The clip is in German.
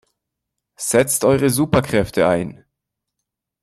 Setzt eure Superkräfte ein!